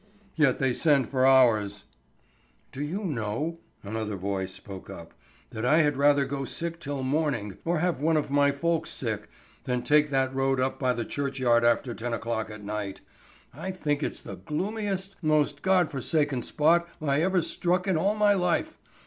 "Yet they send for ours." "Do you know," another voice spoke up, "that I had rather go sick till morning, or have one of my folk's sick, than take that road up by the churchyard after ten o'clock at night. I think it's the gloomiest, most God forsaken spot I ever struck in all my life.